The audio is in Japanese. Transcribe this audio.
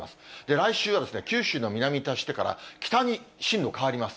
来週は九州の南に達してから、北に進路変わります。